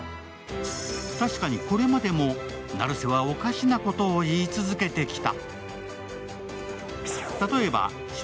確かに、これまでも成瀬はおかしなことを言い続けてきた。